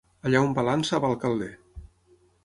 Allí a on va l'ansa va el calder.